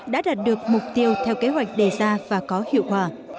đã đạt được mục tiêu theo kế hoạch đề ra và có hiệu quả